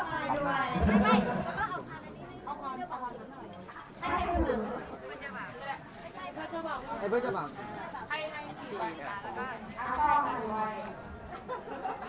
รักก็คุณนะคะตอนที่๑แล้ว